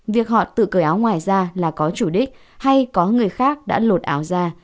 việc họ tự cởi áo ngoài ra là có chủ đích hay có người khác đã lột áo ra